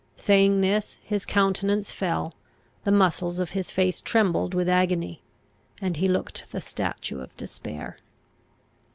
Saying this, his countenance fell, the muscles of his face trembled with agony, and he looked the statue of despair.